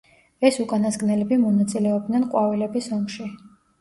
ეს უკანასკნელები მონაწილეობდნენ ყვავილების ომში.